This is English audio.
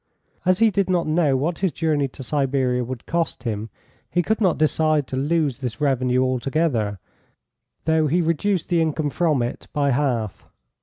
As he did not know what his journey to Siberia would cost him, he could not decide to lose this revenue altogether, though he reduced the income from it by half.